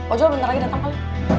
oh jual bentar lagi datang kali